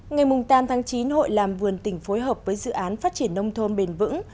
ngày tám chín hội làm vườn tỉnh phối hợp với dự án phát triển nông thôn bền vững